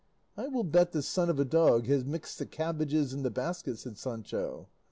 "I will bet the son of a dog has mixed the cabbages and the baskets," said Sancho.